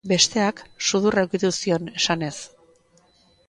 Besteak, sudurra ukitu zion, esanez.